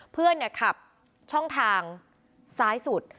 เพื่อนขับช่องทางซ้ายสุด